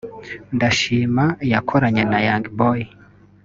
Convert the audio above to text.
Ndashima yakoranye na Young Boy